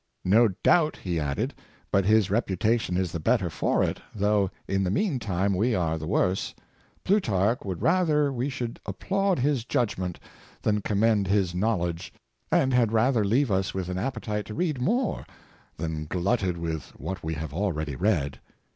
" No doubt," he added, " but his reputation is the better for it, though in the mean time we are the worse. Plutarch would rather we should applaud his judgment than commend his knowledge, and had rather leave us with an appetite to read more than glutted with what we have already read.